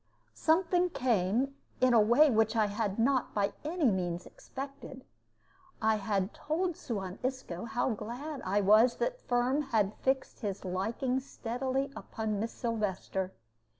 Something came, in a way which I had not by any means expected. I had told Suan Isco how glad I was that Firm had fixed his liking steadily upon Miss Sylvester.